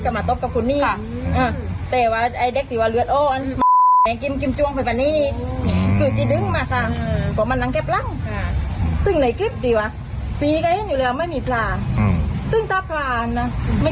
กะมาตบกับคุณนี่อ่าแต่ว่าไอเด็กที่ว่าเลือดโอนไอ